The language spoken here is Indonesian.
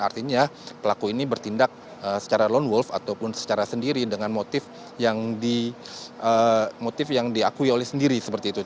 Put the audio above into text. artinya pelaku ini bertindak secara lone wolf ataupun secara sendiri dengan motif yang diakui oleh sendiri seperti itu